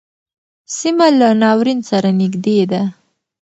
سیمه له ناورین سره نږدې ده.